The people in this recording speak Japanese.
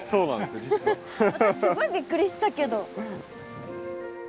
私すごいびっくりしたけど。